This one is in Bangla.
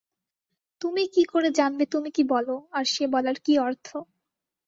তুমি কী করে জানবে তুমি কী বল, আর সে বলার কী অর্থ।